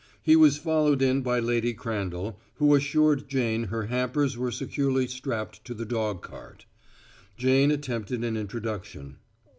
He was followed in by Lady Crandall, who assured Jane her hampers were securely strapped to the dog cart. Jane attempted an introduction.